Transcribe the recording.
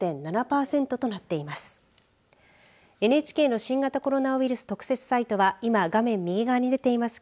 ＮＨＫの新型コロナウイルス特設サイトは今画面右側に出ています